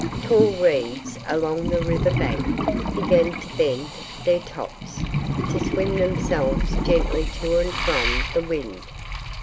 Tall reeds along the river bank began to bend their tops, to swing themselves gently to and from the wind.